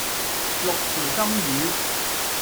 六條金魚